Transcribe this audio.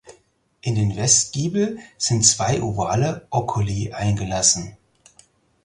In den Westgiebel sind zwei ovale Oculi eingelassen.